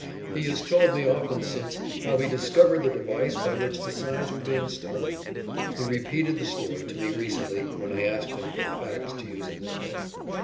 He has told me often since how he discovered the device by which the signs were being stolen. He repeated the story to me recently when I asked him for the facts to use in this book.